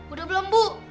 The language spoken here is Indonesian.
udah belum bu